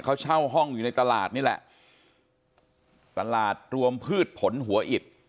เขาเช่าห้องอยู่ในตลาดนี่แหละตลาดรวมพืชผลหัวอิด